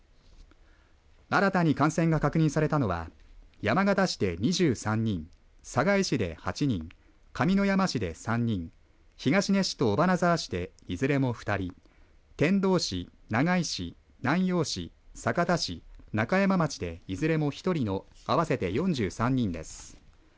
新たに感染が確認されたのは山形市で２３人寒河江市で８人上山市で３人東根市と尾花沢市でいずれも２人天童市、長井市、南陽市、酒田市中山町で、いずれも１人の合わせて４３人です。